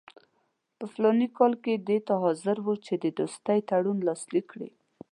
په فلاني کال کې دې ته حاضر وو چې د دوستۍ تړون لاسلیک کړي.